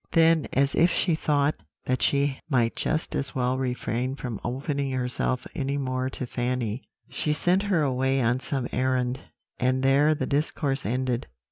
"Then, as if she thought that she might just as well refrain from opening herself any more to Fanny, she sent her away on some errand, and there the discourse ended.